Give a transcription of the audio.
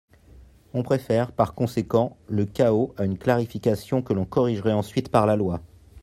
On préfère, par conséquent, le chaos à une clarification que l’on corrigerait ensuite par la loi.